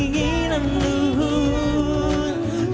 lihatlah kebuka keinginanmu